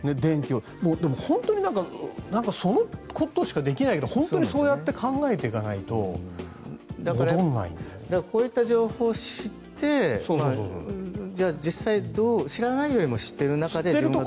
本当にそのことしかできないけど本当にそうやって考えていかないとこういった情報を知って実際、知らないよりも知っている中でどうするか。